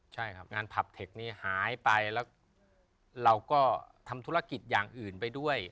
ใช่ครับงานผับเทคนี้หายไปแล้วเราก็ทำธุรกิจอย่างอื่นไปด้วย